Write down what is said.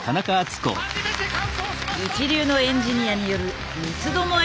一流のエンジニアによる三つどもえの戦い。